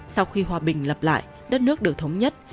sau khi hòa bình lập lại đất nước được thống nhất